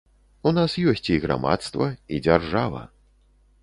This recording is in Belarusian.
У нас ёсць і грамадства, і дзяржава.